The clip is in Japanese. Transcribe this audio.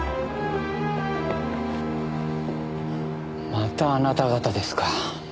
またあなた方ですか。